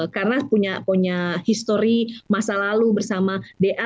karena punya histori masa lalu bersama da